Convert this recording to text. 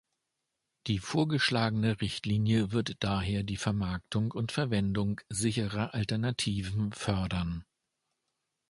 Die vorgeschlagene Richtlinie wird daher die Vermarktung und Verwendung sicherer Alternativen fördern.